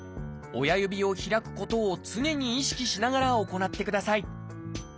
親指を開くことを常に意識しながら行ってください。